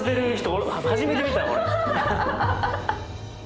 俺初めて見たよ。